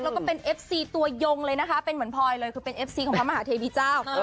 แล้วก็เป็นเอฟซีตัวยงเลยนะคะเป็นเหมือนพลอยเลยคือเป็นเอฟซีของพระมหาเทวีเจ้า